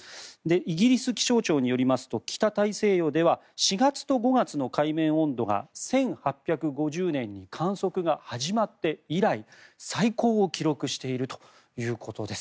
イギリス気象庁によりますと北大西洋では４月と５月の海水温が１８５０年に観測が始まって以来最高を記録しているということです。